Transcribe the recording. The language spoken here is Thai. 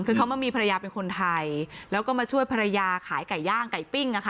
คือเขามามีภรรยาเป็นคนไทยแล้วก็มาช่วยภรรยาขายไก่ย่างไก่ปิ้งนะคะ